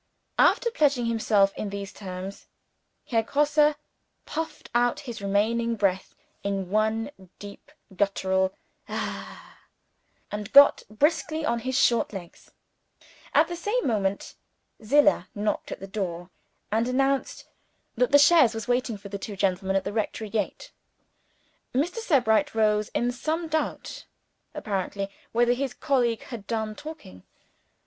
After pledging himself in those terms, Herr Grosse puffed out his remaining breath in one deep guttural "Hah!" and got briskly on his short legs. At the same moment, Zillah knocked at the door, and announced that the chaise was waiting for the two gentlemen at the rectory gate. Mr. Sebright rose in some doubt, apparently, whether his colleague had done talking.